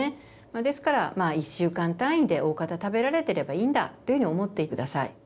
ですから１週間単位でおおかた食べられてればいいんだというふうに思って下さい。